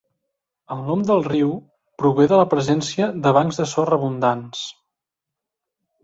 El nom del riu prové de la presència de bancs de sorra abundants.